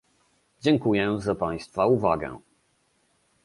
Dziękuję za państwa uwagę